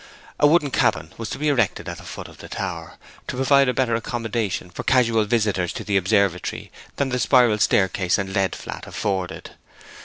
A wooden cabin was to be erected at the foot of the tower, to provide better accommodation for casual visitors to the observatory than the spiral staircase and lead flat afforded.